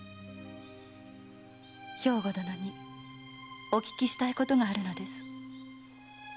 兵庫殿にお聞きしたいことがあるのです。